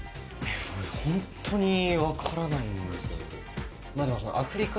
本当にわからないんです。